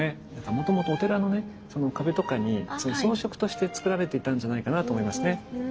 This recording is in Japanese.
もともとお寺のね壁とかに装飾としてつくられていたんじゃないかなと思いますね。